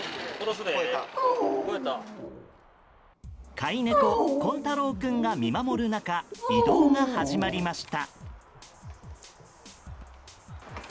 飼い猫、こんたろう君が見守る中移動が始まりました。